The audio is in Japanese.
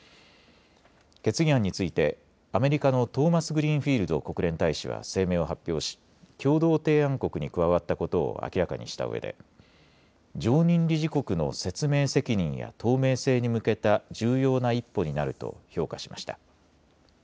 決議案についてアメリカのトーマスグリーンフィールド国連大使は声明を発表し共同提案国に加わったことを明らかにしたうえで常任理事国の説明責任や透明性に向けた重要な一歩になると評価しました。